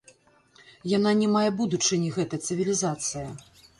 Яна не мае будучыні гэта цывілізацыя.